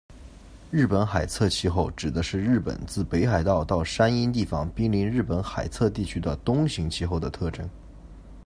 日本海侧气候指的是日本自北海道到山阴地方滨临日本海侧地区的冬型气候的特征。